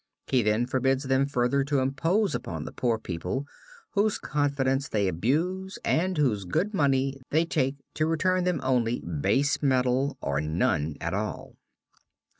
He then forbids them further to impose upon the poor people whose confidence they abuse and whose good money they take to return them only base metal or none at all.